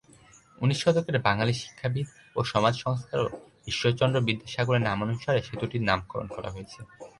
উনিশ শতকের বাঙালি শিক্ষাবিদ ও সমাজ সংস্কারক ঈশ্বরচন্দ্র বিদ্যাসাগরের নামানুসারে সেতুটির নামকরণ করা হয়েছে।